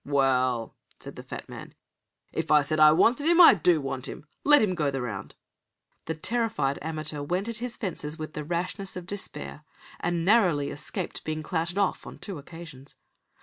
"Well," said the fat man, "if I said I wanted him I do want him. Let him go the round." The terrified amateur went at his fences with the rashness of despair, and narrowly escaped being clouted off on two occasions.